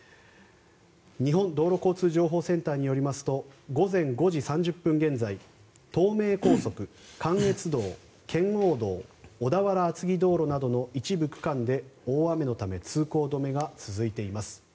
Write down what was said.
日本道路交通情報センターによりますと午前５時３０分現在東名高速、関越道圏央道、小田原厚木道路などの一部区間で大雨のため通行止めが続いています。